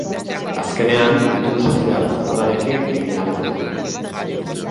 Azkenean, itun sozial zabalarekin egin ahalko du.